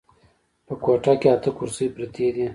په کوټه کې اته کرسۍ پرتې دي.